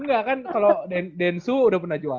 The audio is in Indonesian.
enggak kan kalau densu udah pernah jual